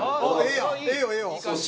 ええよええよ」